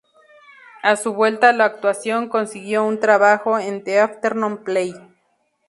A su vuelta a la actuación consiguió un trabajo en "The Afternoon Play".